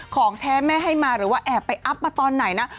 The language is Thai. ของแท้แม่ให้มาหรือว่าแอบไปอัพมาตอนไหนนะ